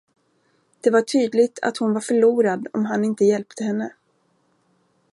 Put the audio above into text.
Det var tydligt att hon var förlorad om han inte hjälpte henne.